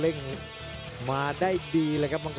โอ้โห